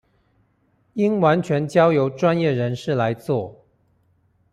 應完全交由專業人士來做